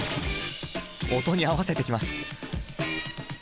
音に合わせてきます。